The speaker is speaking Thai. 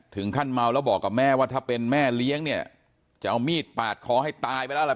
เมาแล้วบอกกับแม่ว่าถ้าเป็นแม่เลี้ยงเนี่ยจะเอามีดปาดคอให้ตายไปแล้วล่ะ